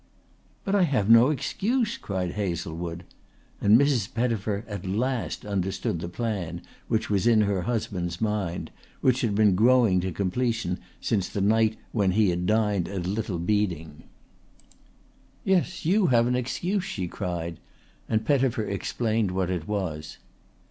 "But I have no excuse," cried Hazlewood, and Mrs. Pettifer at last understood the plan which was in her husband's mind, which had been growing to completion since the night when he had dined at Little Beeding. "Yes, you have an excuse," she cried, and Pettifer explained what it was.